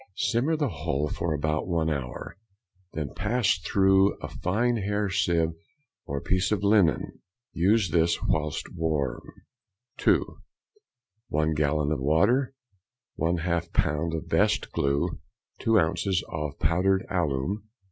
Simmer the whole for about one hour, then pass through a fine hair sieve or piece of linen. Use this whilst warm. (2.) 1 gallon of water. 1/2 lb. of best glue. 2 ounces of powdered alum.